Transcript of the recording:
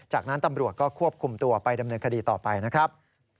จากนั้นตำรวจก็ควบคุมตัวไปดำเนินคดีต่อไปนะครับ